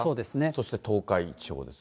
そして東海地方ですね。